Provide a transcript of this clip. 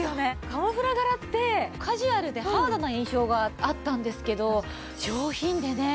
カモフラ柄ってカジュアルでハードな印象があったんですけど上品でね